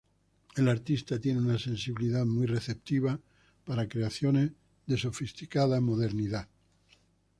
El artista tiene una sensibilidad muy receptiva para creaciones de sofisticada modernidad.